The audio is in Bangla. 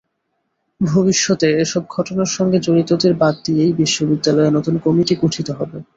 ভবিষ্যতে এসব ঘটনার সঙ্গে জড়িতদের বাদ দিয়েই বিশ্ববিদ্যালয়ে নতুন কমিটি গঠিত হবে।